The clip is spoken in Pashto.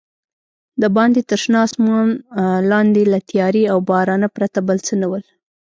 دباندې تر شنه اسمان لاندې له تیارې او بارانه پرته بل څه نه ول.